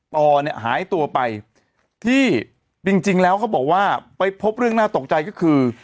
ต่อเนี่ยหายตัวไปที่จริงแล้วเขาบอกว่าไปพบเรื่องน่าตกใจก็คือ